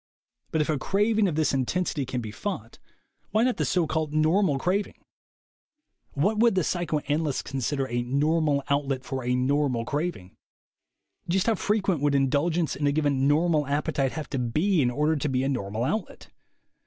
But if a craving of this intensity can be fought, why not the so called 102 THE WAY TO WILL POWER "normal" craving? What would the psychoanalysts consider a "normal outlet" for a "normal" craving? Just how frequent would indulgence in a given "normal" appetite have to be in order to be a "normal outlet?"